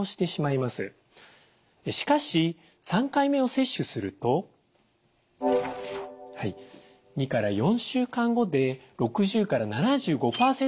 しかし３回目を接種すると２から４週間後で６０から７５％まで上昇します。